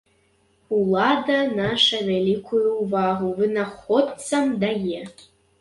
Улада наша вялікую ўвагу вынаходцам дае.